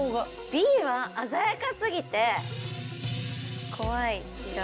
Ｂは鮮やかすぎて怖い気が。